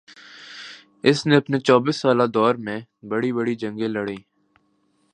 اس نے اپنے چوبیس سالہ دور میں بڑی بڑی جنگیں لڑیں